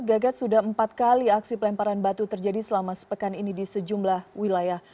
gagat sudah empat kali aksi pelemparan batu terjadi selama sepekan ini di sejumlah wilayah